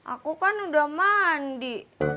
aku kan udah mandi